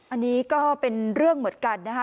อันนี้ก็เป็นเรื่องเหมือนกันนะคะ